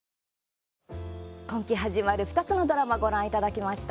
今期始まる２つのドラマご覧いただきました。